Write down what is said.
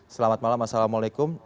selamat malam assalamualaikum